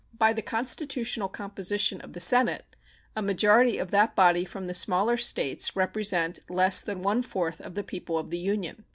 By the constitutional composition of the Senate a majority of that body from the smaller States represent less than one fourth of the people of the Union.